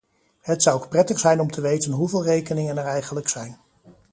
Het zou ook prettig zijn om te weten hoeveel rekeningen er eigenlijk zijn.